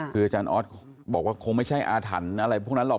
คืออาจารย์ออสบอกว่าคงไม่ใช่อาถรรพ์อะไรพวกนั้นหรอก